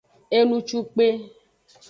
Enucukpe.